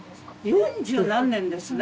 四十何年ですね。